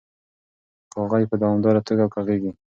کاغۍ په دوامداره توګه کغیږي.